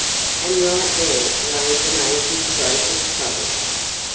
And right there lay the Major's greatest trouble.